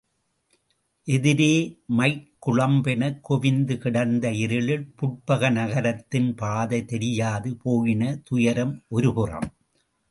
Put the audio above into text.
எதிரே மைக்குழம்பெனக் குவிந்துகிடந்த இருளில் புட்பக நகரத்தின் பாதை தெரியாது போயின துயரம் ஒருபுறம்.